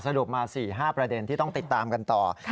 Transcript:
สรุปมา๔๕ประเด็นที่ต้องติดตามกันต่อ